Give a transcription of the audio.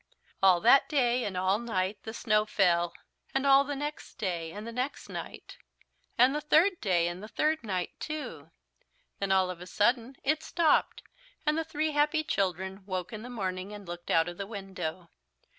All that day and all night the snow fell. And all the next day and the next night and the third day and the third night too. Then all of a sudden it stopped, and the three happy children woke in the morning, and looked out of the window.